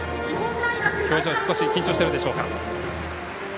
表情、少し緊張しているでしょうか。